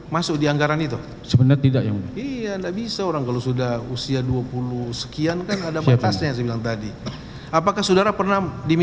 kesehatan anak anaknya atau keluarganya pak menteri